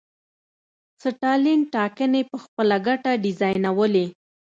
ستالین ټاکنې په خپله ګټه ډیزاینولې.